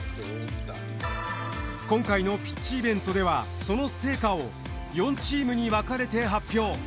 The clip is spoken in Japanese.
今回のピッチイベントではその成果を４チームに分かれて発表。